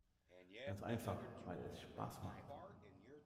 Ganz einfach: Weil es Spaß macht.